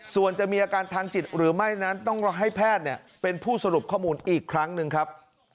ส่วนจะมีอาการทางจิตหรือไม่นั้นต้องให้แพทย์เป็นผู้สรุปข้อมูลอีกครั้งหนึ่งครับ